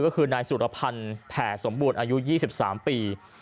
ก็คือนายสุรพันธ์แผ่สมบูรณ์อายุ๒๓ปี